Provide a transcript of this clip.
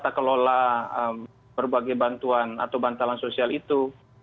tata kelola berbagai bantuan atau bantalan sosial itu